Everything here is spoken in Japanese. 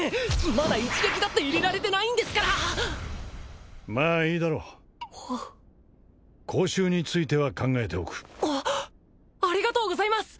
まだ一撃だって入れられてないんですからまあいいだろうホッ講習については考えておくありがとうございます！